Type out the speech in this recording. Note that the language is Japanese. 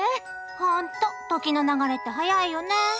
ほんと時の流れって速いよねえ。